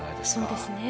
そうですね。